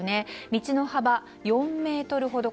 道の幅４ｍほど。